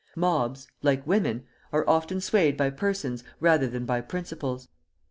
Mobs, like women, are often swayed by persons rather than by principles.